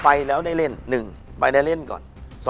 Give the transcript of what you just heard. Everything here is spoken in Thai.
ไปแล้วได้เล่น๑ไปได้เล่นก่อน